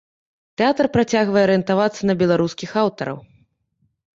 Тэатр працягвае арыентавацца на беларускіх аўтараў.